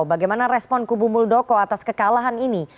bagaimana respon kubu muldoko atas kekalahan ini